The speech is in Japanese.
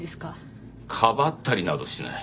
かばったりなどしない。